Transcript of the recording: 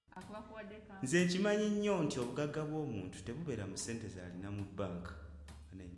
Nze nkimanyi nnyo nti obugagga bw’omuntu tebubeera mu ssente z’alina mu bbanka.